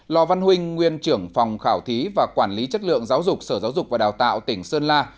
lò văn huynh nguyên trưởng phòng khảo thí và quản lý chất lượng giáo dục sở giáo dục và đào tạo tỉnh sơn la